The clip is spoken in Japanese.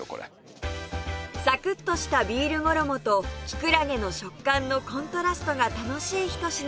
サクッとしたビール衣ときくらげの食感のコントラストが楽しいひと品